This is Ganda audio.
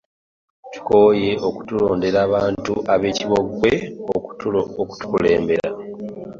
Tukoye okutulondera abantu ab'ekibogwe okutukulembera.